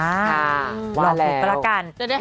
อ่าว่าแล้วลองคุยกันแล้วกัน